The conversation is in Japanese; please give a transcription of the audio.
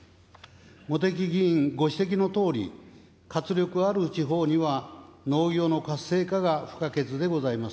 茂木議員ご指摘のとおり、活力ある地方には農業の活性化が不可欠でございます。